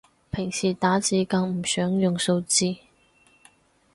平時打字更唔想用數字